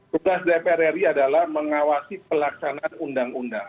tugas dpr ri adalah mengawasi pelaksanaan undang undang